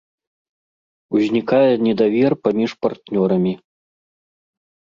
Узнікае недавер паміж партнёрамі.